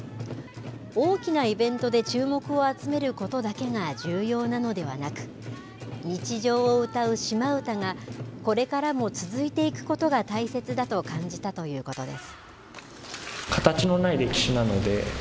大きなイベントで注目を集めることだけが重要なのではなく日常を歌うシマ唄がこれからも続いていくことが大切だと感じたということです。